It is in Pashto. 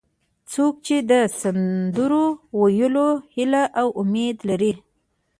څوک چې د سندرو ویلو هیله او امید لري.